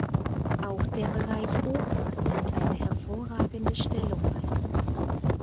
Auch der Bereich Oper nimmt eine hervorragende Stellung ein.